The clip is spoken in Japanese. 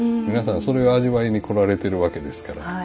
皆さんそれを味わいに来られてるわけですから。